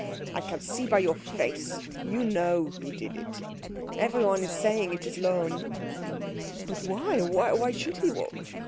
I can see by your face you know who did it. Everyone is saying it is Lohm." "But why? Why should he?